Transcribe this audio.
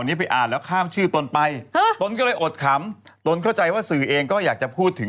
ว่าเราจะทำง่าย